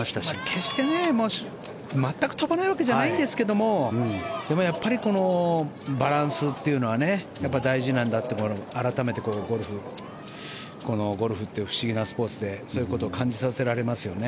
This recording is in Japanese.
決して全く飛ばないわけじゃないんですけどでもやっぱりバランスというのは大事なんだって、改めてゴルフって不思議なスポーツでそういうことを感じさせられますよね。